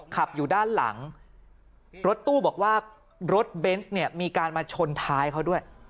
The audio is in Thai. ขับอยู่ด้านหลังรถตู้บอกว่ารถเบนส์เนี่ยมีการมาชนท้ายเขาด้วย